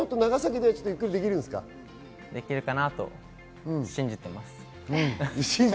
できるかなと信じています。